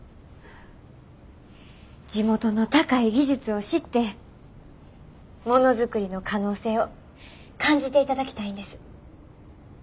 地元の高い技術を知ってものづくりの可能性を感じていただきたいんです。